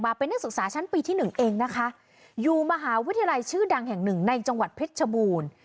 เป็นนักศึกษาชั้นปีที่หนึ่งเองนะคะอยู่มหาวิทยาลัยชื่อดังแห่งหนึ่งในจังหวัดเพชรชบูรณ์